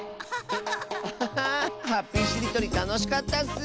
ハッピーしりとりたのしかったッス！